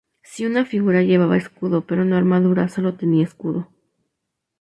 Si una figura llevaba escudo pero no armadura, sólo tenía escudo.